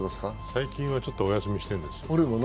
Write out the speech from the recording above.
最近はちょっとお休みしているんです。